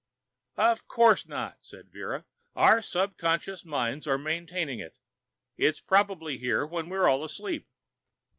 "Of course not," said Vera. "Our subconscious minds are maintaining it. It's probably here when we're all asleep."